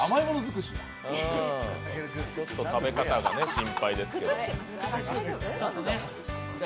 たける君、ちょっと食べ方が心配ですけど。